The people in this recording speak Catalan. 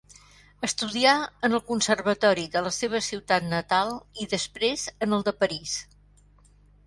Estudià en el Conservatori de la seva ciutat natal i després en el de París.